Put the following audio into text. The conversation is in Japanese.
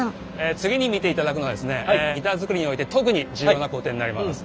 次に見ていただくのがですねギター作りにおいて特に重要な工程になります。